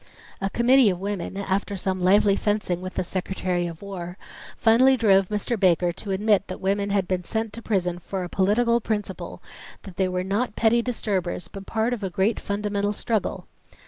A committee of women, after some lively fencing with the Secretary of War, finally drove Mr. Baker to admit that women had been sent to prison for a political principle; that they were not petty disturbers but part of a great fundamental struggle.